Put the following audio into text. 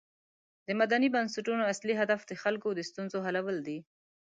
د مدني بنسټونو اصلی هدف د خلکو د ستونزو حلول دي.